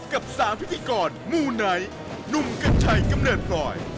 กับสามพิธีกรหมู่ไหนนุ่มกัชชัยกำเนิดปล่อย